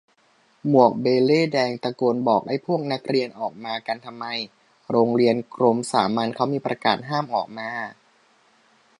หมวกเบเล่ต์แดง ตะโกนบอกไอ้พวกนักเรียนออกมากันทำไม โรงเรียนกรมสามัญเค้ามีประกาศห้ามออกมา